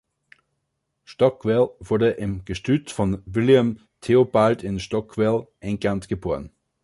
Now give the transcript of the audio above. Stockwell wurde im Gestüt von William Theobald in Stockwell, England, geboren.